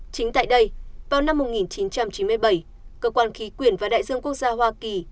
chính tại đây vào năm một nghìn chín trăm chín mươi bảy cơ quan khí quyển và đại dương quốc gia hoa kỳ